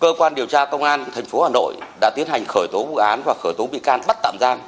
cơ quan điều tra công an tp hà nội đã tiến hành khởi tố bức án và khởi tố bị can bắt tạm gian